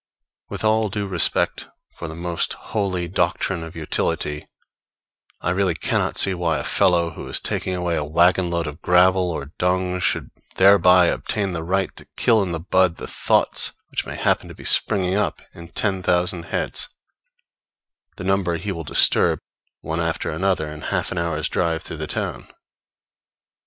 With all due respect for the most holy doctrine of utility, I really cannot see why a fellow who is taking away a wagon load of gravel or dung should thereby obtain the right to kill in the bud the thoughts which may happen to be springing up in ten thousand heads the number he will disturb one after another in half an hour's drive through the town.